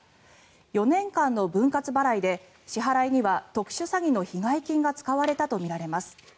４年間の分割払いで支払いには特殊詐欺の被害金が使われたとみられます。